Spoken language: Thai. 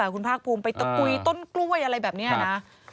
คุณภาคภูมิไปตะกุยต้นกล้วยอะไรแบบนี้นะ